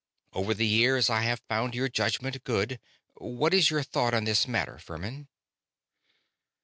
Over the years I have found your judgment good. What is your thought on this matter, Furmin?"